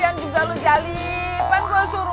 aduh gitu pak